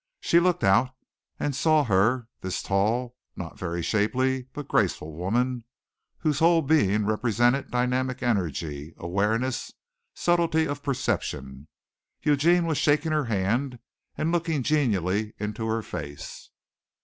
She looked out and saw her this tall, not very shapely, but graceful woman, whose whole being represented dynamic energy, awareness, subtlety of perception. Eugene was shaking her hand and looking genially into her face.